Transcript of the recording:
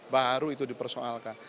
baru itu dipersoalkan